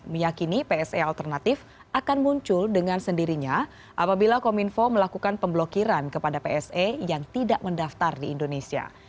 meyakini pse alternatif akan muncul dengan sendirinya apabila kominfo melakukan pemblokiran kepada pse yang tidak mendaftar di indonesia